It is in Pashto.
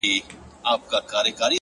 لوړ فکر نوې مفکورې زېږوي